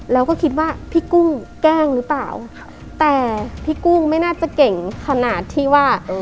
แล้วก็คิดว่าพี่กุ้งแกล้งหรือเปล่าแต่พี่กุ้งไม่น่าจะเก่งขนาดที่ว่า